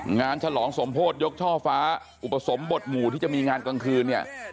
ฉลองสมโพธิยกช่อฟ้าอุปสมบทหมู่ที่จะมีงานกลางคืนเนี่ย